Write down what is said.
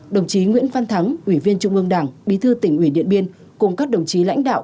đồng chí nguyễn văn thắng ủy viên trung ương đảng bí thư tỉnh ủy điện biên cùng các đồng chí lãnh đạo